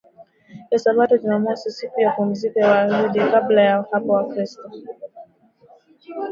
ya Sabato Jumamosi siku ya pumziko ya Wayahudi Kabla ya hapo Wakristo